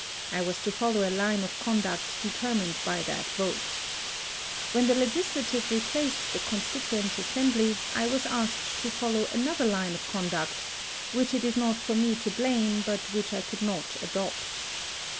I was to follow a line of conduct determined by that vote. When the Legis lative replaced the Constituent Assembly I 4 HISTORY OF was asked to follow another line of conduct, which it is not for me to blame, but which I could not adopt.